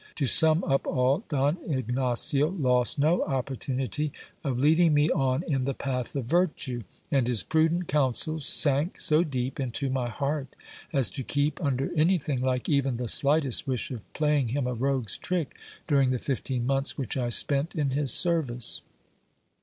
To sum up all, Don Ignacio lost no opportunity of leading me on in the path of virtue, and his prudent counsels sank so deep into my heart, as to keep under any thing like even the slightest wish of playing him a rogue's trick during the fifteen months which I spent in his service.